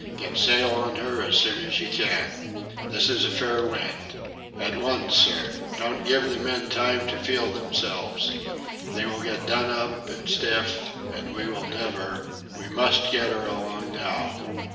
"Get sail on her as soon as you can. This is a fair wind. At once, sir Don't give the men time to feel themselves. They will get done up and stiff, and we will never... We must get her along now"...